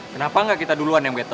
kenapa ga kita duluan yang battle